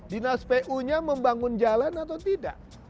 dinas pu nya membangun jalan atau tidak